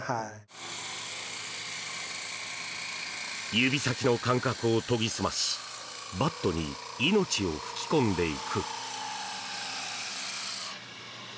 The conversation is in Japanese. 指先の感覚を研ぎ澄ましバットに命を吹き込んでいく。